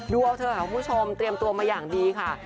ดูเอาเถอะค่ะคุณผู้ชมเตรียมตัวมาอย่างดีค่ะ